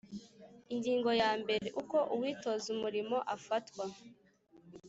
Ingingo ya mbere Uko uwitoza umurimo afatwa